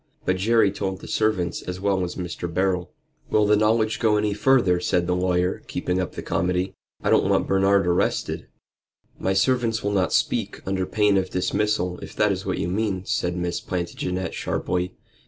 But Jerry told the servants as well as Mr. Beryl." "Will the knowledge go any further?" said the lawyer, keeping up the comedy. "I don't want Bernard arrested." "My servants will not speak under pain of dismissal, if that is what you mean," said Miss Plantagenet, sharply.